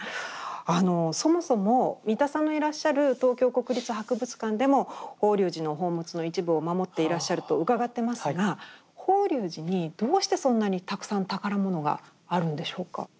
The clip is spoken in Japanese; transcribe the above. そもそも三田さんのいらっしゃる東京国立博物館でも法隆寺の宝物の一部を守っていらっしゃると伺ってますが法隆寺にどうしてそんなにたくさん宝物があるんでしょうか。